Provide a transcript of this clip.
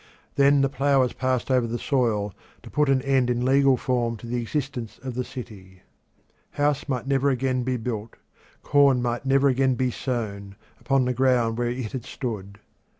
Then the plough was passed over the soil to put an end in legal form to the existence of the city. House might never again be built, corn might never again be sown, upon the ground where it had stood.